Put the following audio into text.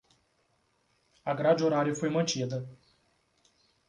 A grade horária foi mantida